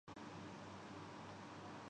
تمہارا منہ کیوں لٹکا ہوا ہے